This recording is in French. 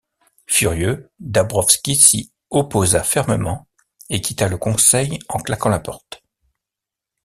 Furieux, Dabrowski s'y opposa fermement et quitta le conseil en claquant la porte.